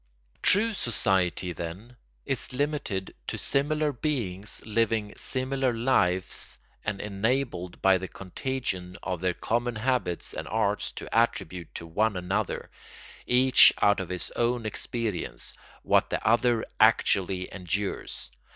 ] True society, then, is limited to similar beings living similar lives and enabled by the contagion of their common habits and arts to attribute to one another, each out of his own experience, what the other actually endures.